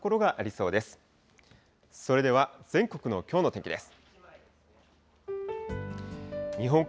それでは全国のきょうの天気です。